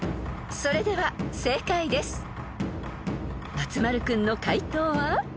［松丸君の解答は？］